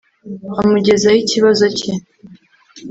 Amugezaho ikibazo cye